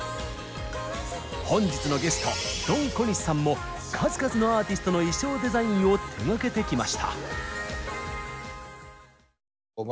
本日のゲストドン小西さんも数々のアーティストの衣装デザインを手がけてきました！